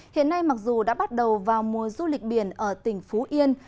hiện nay mặc dù đã bắt đầu vào mùa du lịch biển ở tỉnh phú yên